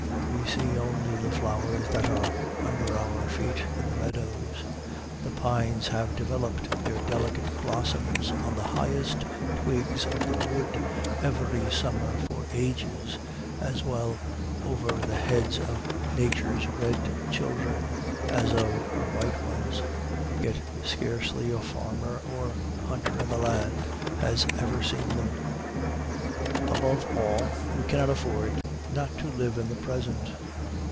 We see only the flowers that are under our feet in the meadows. The pines have developed their delicate blossoms on the highest twigs of the wood every summer for ages, as well over the heads of Nature's red children as of her white ones; yet scarcely a farmer or hunter in the land has ever seen them. Above all, we cannot afford not to live in the present.